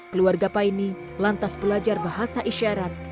keluarga paine lantas belajar bahasa isyarat